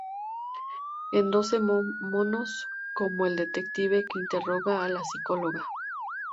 En "Doce monos", como el detective que interroga a la psicóloga.